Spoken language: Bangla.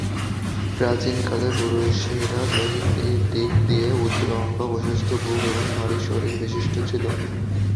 প্রাচীনকালে পুরুষেরা দৈহিক দিক দিয়ে উঁচু-লম্বা, প্রশস্ত বুক এবং ভারী শরীর বিশিষ্ট ছিল।